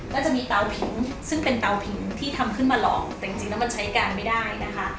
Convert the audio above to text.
ก็จะมีเตาผิงซึ่งเป็นเตาผิงที่ทำขึ้นมาหลอกแต่จริงแล้วมันใช้การไม่ได้นะคะ